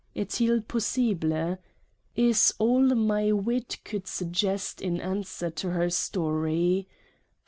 Est il possible? is all my Wit could suggest in answer to her story.